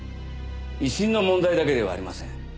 威信の問題だけではありません。